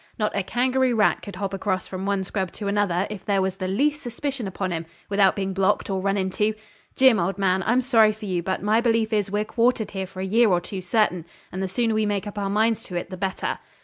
Not a kangaroo rat could hop across from one scrub to another if there was the least suspicion upon him without being blocked or run into. Jim, old man, I'm sorry for you, but my belief is we're quartered here for a year or two certain, and the sooner we make up our minds to it the better.'